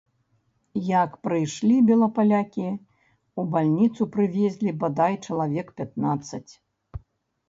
Як прыйшлі белапалякі, у бальніцу прывезлі, бадай, чалавек пятнаццаць.